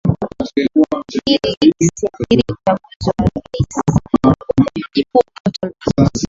ili isiadhiri uchaguzi wa rais huku mji mkuu portal prince